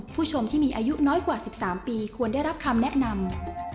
ผู้ชมที่มีอายุน้อยกว่า๑๓ปีควรได้รับคำแนะนำ